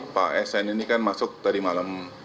pak sn ini kan masuk tadi malam